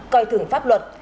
coi thưởng pháp luật